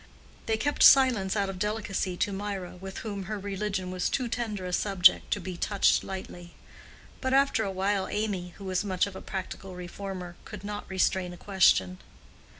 They kept silence out of delicacy to Mirah, with whom her religion was too tender a subject to be touched lightly; but after a while Amy, who was much of a practical reformer, could not restrain a question.